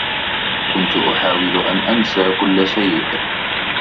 كنت أحاول أن أنسَ كلّ شيء.